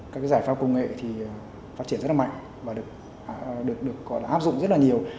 các cái giải pháp công nghệ thì phát triển rất là mạnh và được áp dụng rất là nhiều